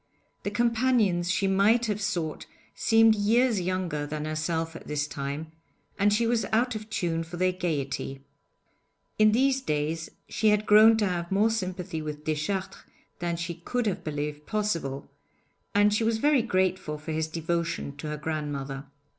The companions she might have sought seemed years younger than herself at this time, and she was out of tune for their gaiety. In these days she had grown to have more sympathy with Deschartres than she could have believed possible, and she was very grateful for his devotion to her grandmother.